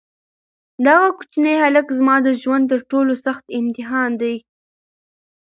دغه کوچنی هلک زما د ژوند تر ټولو سخت امتحان دی.